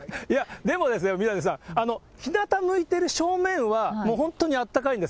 でも、宮根さん、ひなた向いてる正面はもう本当に暖かいんです。